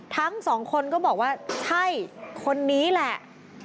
ทั้งสองคนก็บอกว่าใช่คนนี้แหละ